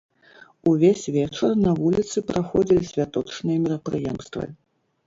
Увесь вечар на вуліцы праходзілі святочныя мерапрыемствы.